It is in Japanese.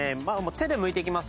手でむいていきます